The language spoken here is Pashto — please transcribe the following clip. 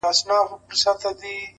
پوهه د شک پر ځای یقین راولي.!